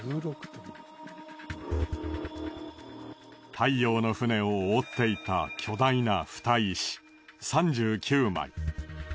太陽の船を覆っていた巨大なふた石３９枚。